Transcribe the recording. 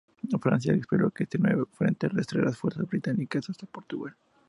Francia, esperó que este nuevo frente arrastre las fuerzas británicas hasta Portugal.